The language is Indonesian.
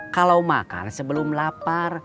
kalau makan sebelum lapar